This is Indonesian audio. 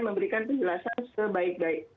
memberikan penjelasan sebaik baik